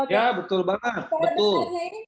ya betul banget betul